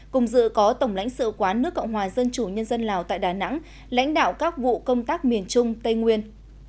cùng dự có tổng lãnh sự quán nước cộng hòa dân chủ nhân dân lào tại đà nẵng lãnh đạo các vụ công tác miền trung tây nguyên